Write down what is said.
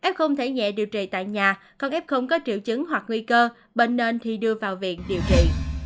f thể nhẹ điều trị tại nhà còn f có triệu chứng hoặc nguy cơ bệnh nên thì đưa vào viện điều trị